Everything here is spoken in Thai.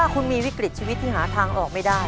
คุณมีวิกฤตชีวิตที่หาทางออกไม่ได้